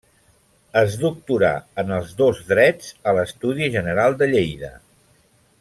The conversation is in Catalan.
Es doctorà en els dos drets a l'Estudi General de Lleida.